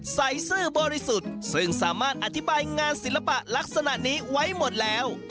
ซื่อบริสุทธิ์ซึ่งสามารถอธิบายงานศิลปะลักษณะนี้ไว้หมดแล้ว